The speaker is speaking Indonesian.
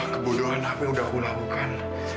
kebodohan apa yang udah aku lakukan